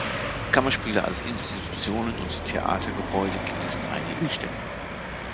Kammerspiele als Institutionen und Theatergebäude gibt es in einigen Städten.